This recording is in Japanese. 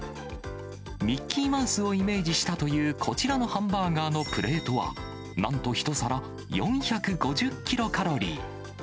ミッキーマウスをイメージしたというこちらのハンバーガーのプレートは、なんと一皿４５０キロカロリー。